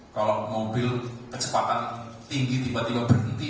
kalau mobil kecepatan tinggi tiba tiba berhenti